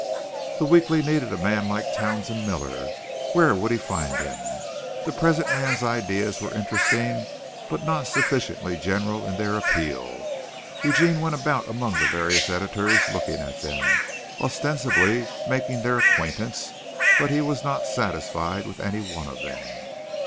The weekly needed a man like Townsend Miller where would he find him? The present man's ideas were interesting but not sufficiently general in their appeal. Eugene went about among the various editors looking at them, ostensibly making their acquaintance, but he was not satisfied with any one of them.